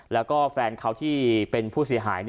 แล้วก็แฟนเขาที่เป็นผู้เสียหาย